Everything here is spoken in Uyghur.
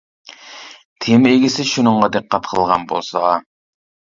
تېما ئىگىسى شۇنىڭغا دىققەت قىلغان بولسا.